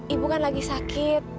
ibu kan lagi sakit